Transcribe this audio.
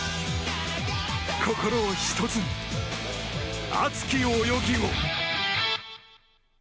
心を一つに、熱き泳ぎを！